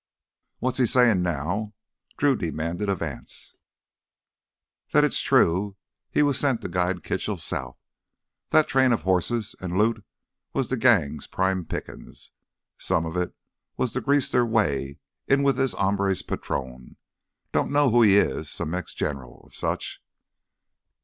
"What's he sayin' now?" Drew demanded of Anse. "That it's true he was sent to guide Kitchell south. That train of hosses an' loot was th' gang's prime pickin's. Some of it was to grease their way in with this hombre's patrón—don't know who he is—some Mex gineral or such.